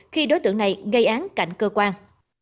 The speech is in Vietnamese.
khi đối tượng này gây án cạnh cơ quan